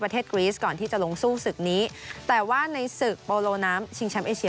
กรีสก่อนที่จะลงสู้ศึกนี้แต่ว่าในศึกโปโลน้ำชิงแชมป์เอเชีย